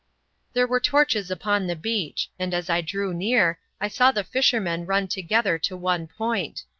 There were torches upon the beach, and as I drew near, I saw the fishermen run together to one point.